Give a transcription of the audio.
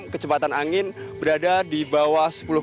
kecepatan angin berada di bawah